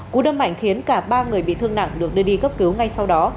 cú đâm mạnh khiến cả ba người bị thương nặng được đưa đi cấp cứu ngay sau đó